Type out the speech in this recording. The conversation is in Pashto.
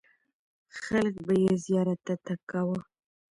خلک به یې زیارت ته تګ کاوه.